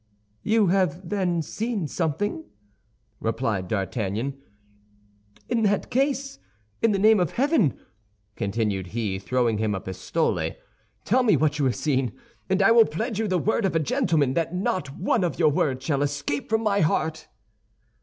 "You have, then, seen something?" replied D'Artagnan. "In that case, in the name of heaven," continued he, throwing him a pistole, "tell me what you have seen, and I will pledge you the word of a gentleman that not one of your words shall escape from my heart."